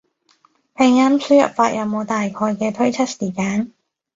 拼音輸入法有冇大概嘅推出時間？